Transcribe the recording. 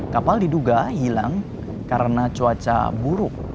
kapal diduga hilang karena cuaca buruk